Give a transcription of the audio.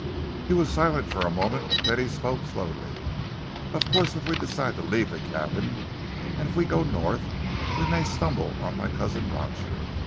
He was silent for a moment, then he said slowly, "Of course if we decide to leave the cabin and if we go North, we may stumble on my Cousin Roger.